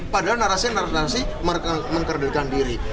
padahal narasinya adalah narasi mengkerdilkan diri